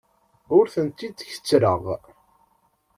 Ur tent-id-kettreɣ.